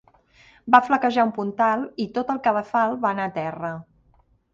Va flaquejar un puntal i tot el cadafal va anar a terra.